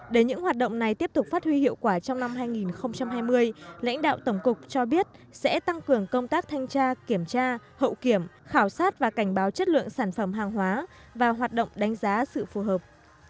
để những hoạt động này tiếp tục phát huy hiệu quả trong năm hai nghìn hai mươi lãnh đạo tổng cục cho biết sẽ tăng cường công tác thanh tra kiểm tra hậu kiểm khảo sát và cảnh báo chất lượng sản phẩm hàng hóa và hoạt động đánh giá sự phù hợp